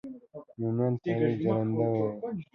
مومند تالي جرنده وايي